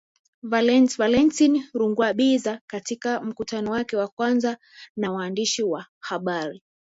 Valentine Rugwabiza katika mkutano wake wa kwanza na waandishi wa habari